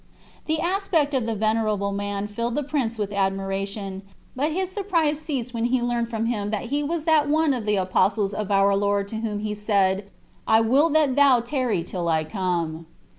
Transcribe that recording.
The aspect of the venerable man filled the prince with admiration; but his surprise ceased when he learned from him that he was that one of the Apostles of our Lord to whom he said, "I will that thou tarry till I come."